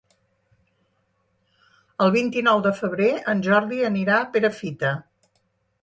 El vint-i-nou de febrer en Jordi anirà a Perafita.